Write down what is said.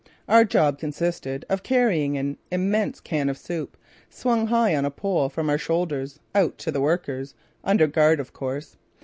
Our job consisted of carrying an immense can of soup, swung high on a pole from our shoulders, out to the workers, under guard of course.